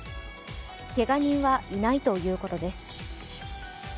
けが人はいないということです。